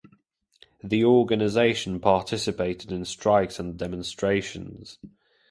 The organization participated in strikes and demonstrations.